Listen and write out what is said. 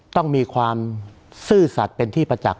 ต้องมีความซื่อสัตว์เป็นที่ประจักษ